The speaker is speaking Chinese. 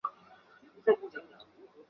美网一路闯进第四轮才败给小威廉丝。